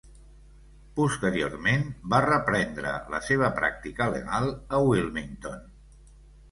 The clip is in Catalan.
Posteriorment, va reprendre la seva pràctica legal a Wilmington.